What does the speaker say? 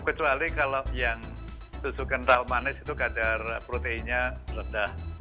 kecuali kalau yang susu kental manis itu kadar proteinnya rendah